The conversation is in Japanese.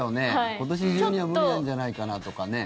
今年中には無理なんじゃないかなとかね。